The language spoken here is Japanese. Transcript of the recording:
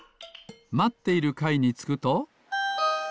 まっているかいにつくと。